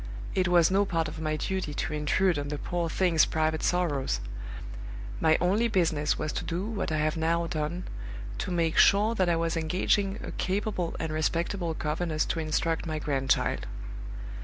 It was no part of my duty to intrude on the poor thing's private sorrows; my only business was to do what I have now done, to make sure that I was engaging a capable and respectable governess to instruct my grandchild."